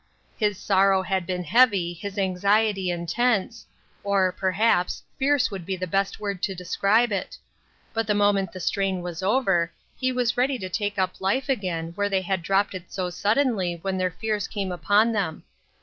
His sorrow had been heavy, his anxiety intense — or, perhaps, fierce would be the best word to describe it — but the moment the strain was over, he was ready to take up life again where they had dropped it so suddenly when their fears came upon them.